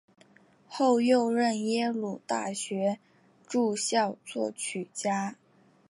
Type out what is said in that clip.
后又任耶鲁大学驻校作曲家。